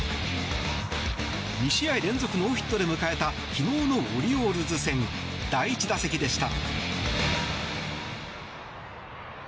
２試合連続ノーヒットで迎えた昨日のオリオールズ戦第１打席でした。